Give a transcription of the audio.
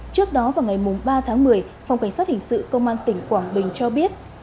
trước đó vào ngày ba tháng một mươi phòng cảnh sát hình sự công an tỉnh quảng bình cho biết